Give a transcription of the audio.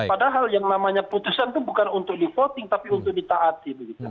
padahal yang namanya putusan itu bukan untuk di voting tapi untuk ditaati